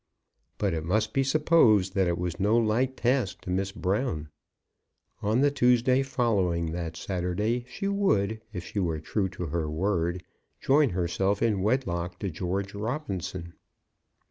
But it must be supposed that it was no light task to Miss Brown. On the Tuesday following that Saturday, she would, if she were true to her word, join herself in wedlock to George Robinson.